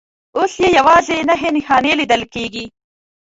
اوس یې یوازې نښې نښانې لیدل کېږي.